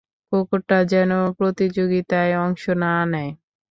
কুকুরটা যেন প্রতিযোগিতায় অংশ না নেয়।